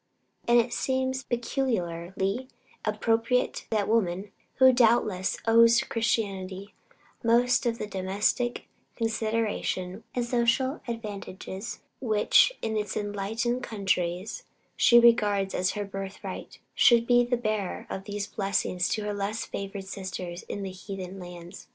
And it seems peculiarly appropriate that woman, who doubtless owes to Christianity most of the domestic consideration and social advantages, which in enlightened countries she regards as her birthright, should be the bearer of these blessings to her less favored sisters in heathen lands.